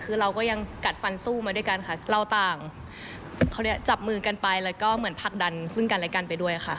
คือเราก็ยังกัดฟันสู้มาด้วยกันค่ะเราต่างเขาเรียกจับมือกันไปแล้วก็เหมือนผลักดันซึ่งกันและกันไปด้วยค่ะ